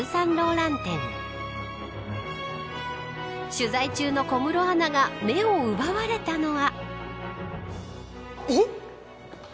取材中の小室アナが目を奪われたのは。